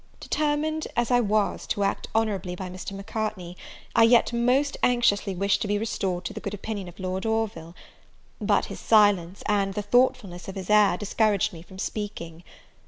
Determined as I was to act honourably by Mr. Macartney, I yet most anxiously wished to be restored to the good opinion of Lord Orville; but his silence, and the thoughtfulness of his air, discouraged me from speaking.